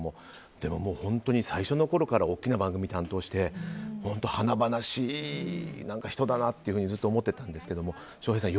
でも本当に最初のころから大きな番組を担当して本当、華々しい人だなとずっと思ってたんですけど翔平さん